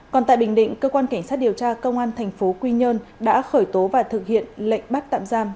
còn tại bình định cơ quan cảnh sát điều tra công an thành phố quy nhơn đã khởi tố và thực hiện lệnh bắt tạm giam